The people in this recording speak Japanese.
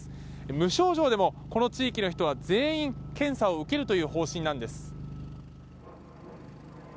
無症状でもこの地域の人は全員検査を受けるという方針なんです。